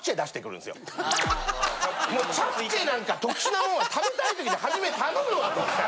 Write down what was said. チャプチェなんか特殊なもんは食べたい時頼むわと。